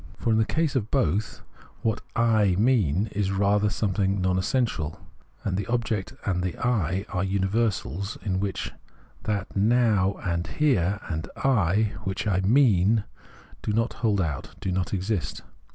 For, in the case of both, what I "mean" is rather something non essential ; and the object and the I are universals, in which that Now and Here and I, which I "mean," do not hold out, do not exist.